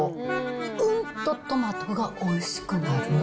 うんとトマトがおいしくなる。